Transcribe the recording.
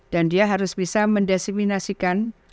dan dia harus bisa mendesiminasikan